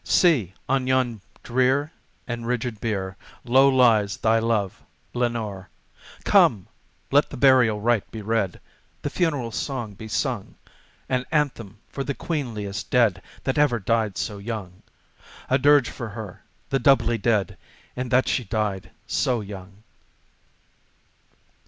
See! on yon drear and rigid bier low lies thy love, Lenore! Come! let the burial rite be read the funeral song be sung! An anthem for the queenliest dead that ever died so young A dirge for her the doubly dead in that she died so young.